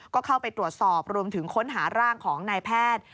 ก็เข้าไปตรวจสอบรวมถึงค้นหาร่างของนายแพทย์